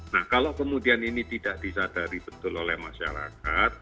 nah kalau kemudian ini tidak disadari betul oleh masyarakat